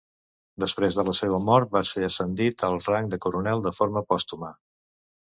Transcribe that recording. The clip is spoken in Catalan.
Després de la seva mort va ser ascendit al rang de Coronel de forma pòstuma.